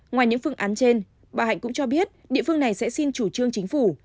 ngoài những phương án trên bà hạnh cũng cho biết địa phương này sẽ xin chủ trương chính phủ